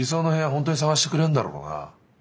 本当に探してくれんだろうな？